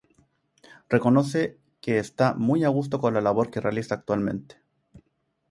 Reconoce que está muy a gusto con la labor que realiza actualmente.